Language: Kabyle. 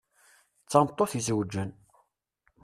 D tameṭṭut izeweǧen.